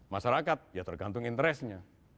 masyarakat ya tergantung interestnya